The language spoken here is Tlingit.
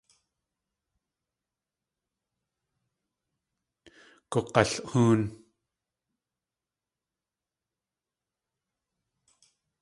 Gug̲alhóon.